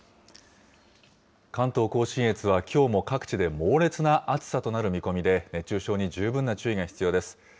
関東甲信越はきょうも各地で猛烈な暑さとなる見込みで、熱中症に十分な注意が必要です。